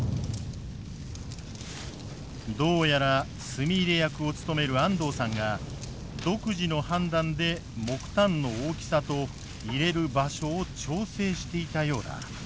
どうやら炭入れ役を務める安藤さんが独自の判断で木炭の大きさと入れる場所を調整していたようだ。